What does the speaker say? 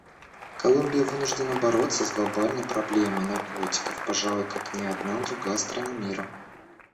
Колумбия вынуждена бороться с глобальной проблемой наркотиков, пожалуй, как ни одна другая страна мира.